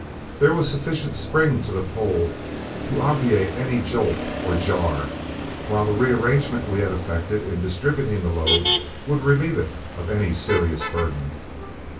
There was sufficient spring to the pole to obviate any jolt or jar, while the rearrangement we had effected in distributing the load would relieve it of any serious burden.